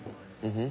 うん。